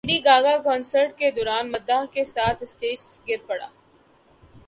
lady Gaga concert کے دوران مداح کے ساتھ اسٹیج سے گر پڑیں